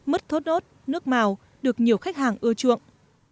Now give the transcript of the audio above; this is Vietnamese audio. mất thốt nốt nước màu được nhiều khách hàng ưa chuộng